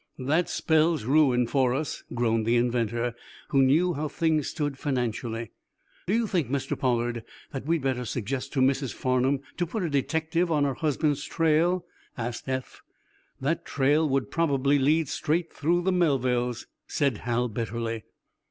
"That spells ruin for us," groaned the inventor, who knew how things stood financially. "Do you think, Mr. Pollard, that we'd better suggest to Mrs. Farnum to put a detective on her husband's trail?" asked Eph. "That trail would probably lead straight through the Melvilles," said Hal bitterly.